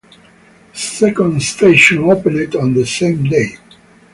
The second station opened on the same day.